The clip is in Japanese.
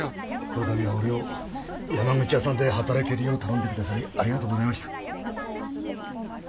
この度は俺を山口屋さんで働けるよう頼んで下さりありがとうございました。